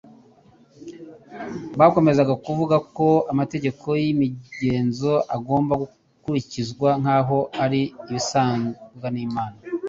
Bakomezaga kuvuga ko amategeko y'imigenzo agomba kubahirizwa, nk'aho ari ibisabwa n'Imana